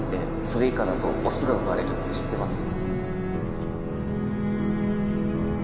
それ以下だとオスが生まれるって知ってます？